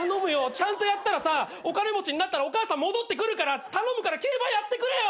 ちゃんとやったらさお金持ちになったらお母さん戻ってくるから頼むから競馬やってくれよ！